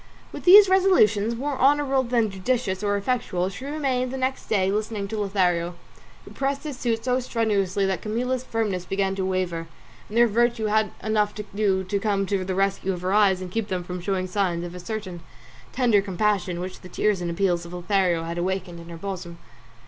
With these resolutions, more honourable than judicious or effectual, she remained the next day listening to Lothario, who pressed his suit so strenuously that Camilla's firmness began to waver, and her virtue had enough to do to come to the rescue of her eyes and keep them from showing signs of a certain tender compassion which the tears and appeals of Lothario had awakened in her bosom.